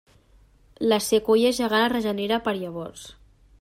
La sequoia gegant es regenera per llavors.